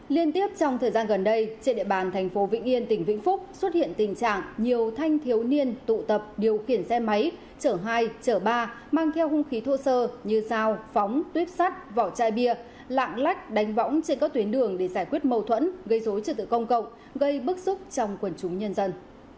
liên tiếp trong thời gian gần đây trên địa bàn thành phố vĩnh yên tỉnh vĩnh phúc xuất hiện tình trạng nhiều thanh thiếu niên tụ tập điều khiển xe máy chở hai chở ba mang theo hung khí thô sơ như dao phóng tuyếp sắt vỏ chai bia lạng lách đánh võng trên các tuyến đường để giải quyết mâu thuẫn gây dối trật tự công cộng gây bức xúc trong quần chúng nhân dân